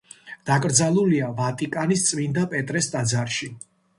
დაკრძალულია ვატიკანის წმინდა პეტრეს ტაძარში.